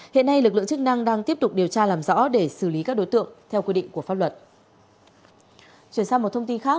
hiện nay lực lượng chức năng đang tiếp tục điều tra làm rõ để xử lý các đối tượng theo quy định của pháp luật